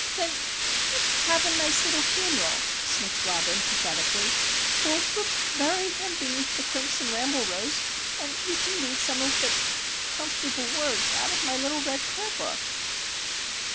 "Then let's have a nice little funeral," sniffed Robin, pathetically. "We'll b bury him beneath the crimson bramble rose, and you can read some of the com comfortable words out of my little red prayer book."